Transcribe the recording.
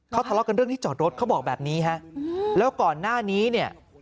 เขาทะเลาะกันเรื่องที่จอดรถเขาบอกแบบนี้ฮะแล้วก่อนหน้านี้เนี่ย